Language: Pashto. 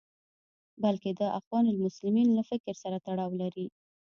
بلکې د اخوان المسلمین له فکر سره تړاو لري.